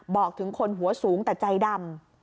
บอกถึงคนหัวสูงแต่ใจดำ